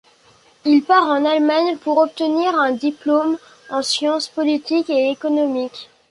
Il part en Allemagne pour obtenir un diplôme en sciences politiques et économiques.